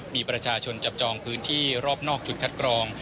มีประชาชนจับจองพื้นที่รอบนอกจุดคัดกรอง